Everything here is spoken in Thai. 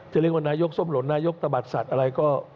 จะเรียกว่านายกส้มหล่นนายกตะบัดสัตว์อะไรก็